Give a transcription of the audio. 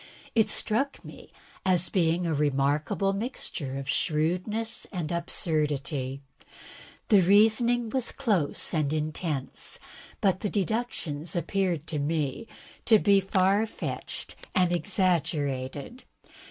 It struck me as being a remarkable mixture of shrewdness and absurdity. The reasoning was close and intense, but the deductions appeared to me to be far fetched and exaggerated.